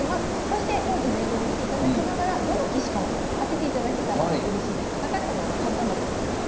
そして当時の映像を見ていただきながらどの棋士かを当てていただけたらうれしいです。